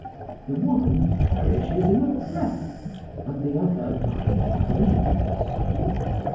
The one perishes in a breath, and the other by degrees.